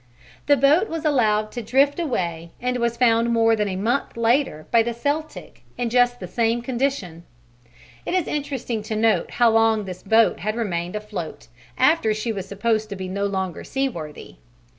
The boat was allowed to drift away and was found more than a month later by the Celtic in just the same condition. It is interesting to note how long this boat had remained afloat after she was supposed to be no longer seaworthy.